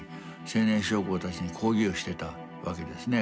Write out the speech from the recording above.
青年将校たちに講義をしてたわけですね。